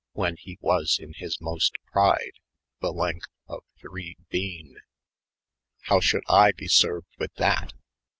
When he was in his moste pryde, The lenjte of ,iij. bene. "Howe schuld I be served with that?